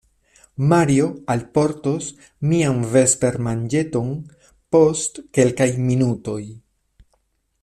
Mario alportos mian vespermanĝeton post kelkaj minutoj.